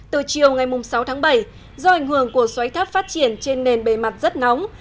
từ chiều ngày sáu tháng bảy do ảnh hưởng của xoáy thấp phát triển trên nền bề mặt rất nóng